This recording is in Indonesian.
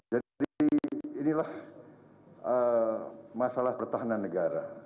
jadi inilah masalah pertahanan negara